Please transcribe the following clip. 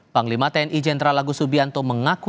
panglima tni jenderal agus subianto mengaku